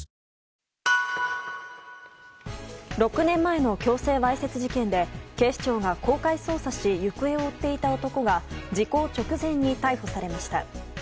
６年前の強制わいせつ事件で警視庁が公開捜査し行方を追っていた男が時効直前に逮捕されました。